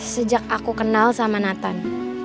sejak aku kenal sama nathan